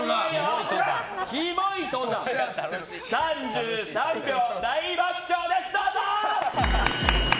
キモい登山、３３秒大爆笑です、どうぞ！